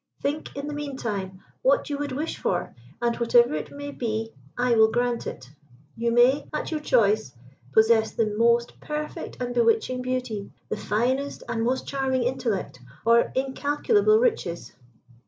Think, in the meantime, what you would wish for, and whatever it may be I will grant it. You may, at your choice, possess the most perfect and bewitching beauty, the finest and most charming intellect, or incalculable riches."